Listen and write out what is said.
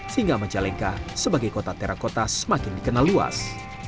sehingga majalengka sebagai kota tera kota semakin dikenal luas